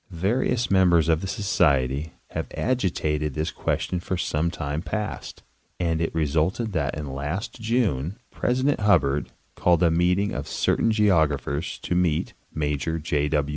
Various members of the Society have agitated this question for some time past, and it resulted that in last June, 226 Oyrus C. Babb—Geographie Notes... President Hubbard called a meeting of certain geographers to meet Major J.